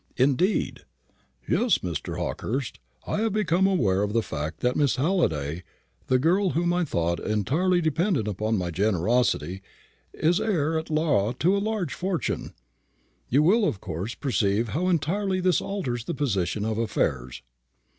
"Indeed!" "Yes, Mr. Hawkehurst, I have become aware of the fact that Miss Halliday, the girl whom I thought entirely dependent upon my generosity, is heir at law to a large fortune. You will, of course, perceive how entirely this alters the position of affairs."